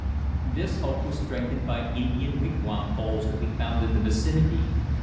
This hope was strengthened by Indian wigwam poles that we found in the vicinity.